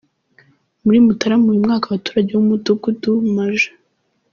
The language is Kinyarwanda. Muri Mutarama uyu mwaka abaturage bo mu mudugudu Maj.